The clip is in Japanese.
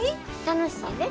楽しいで。